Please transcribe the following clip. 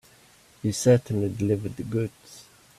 You certainly delivered the goods.